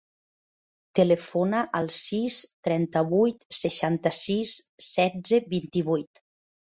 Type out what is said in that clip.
Telefona al sis, trenta-vuit, seixanta-sis, setze, vint-i-vuit.